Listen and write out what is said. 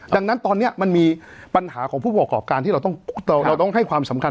ดังนั้นตอนนี้มันมีปัญหาของผู้ประกอบการที่เราต้องให้ความสำคัญ